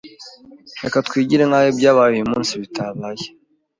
Reka twigire nkaho ibyabaye uyu munsi bitabaye.